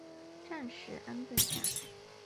暂时安顿下来